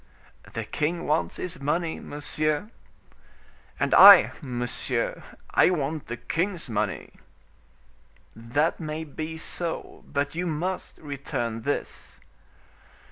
"The king wants his money, monsieur." "And I, monsieur, I want the king's money." "That may be so; but you must return this."